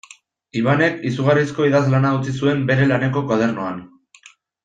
Ibanek izugarrizko idazlana utzi zuen bere laneko koadernoan.